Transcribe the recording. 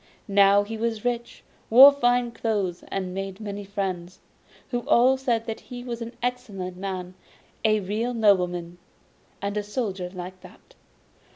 Now he was rich, wore fine clothes, and made many friends, who all said that he was an excellent man, a real nobleman. And the Soldier liked that.